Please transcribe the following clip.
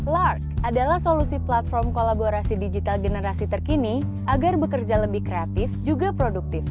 lark adalah solusi platform kolaborasi digital generasi terkini agar bekerja lebih kreatif juga produktif